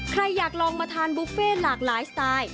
ใครอยากลองมาทานบุฟเฟ่หลากหลายสไตล์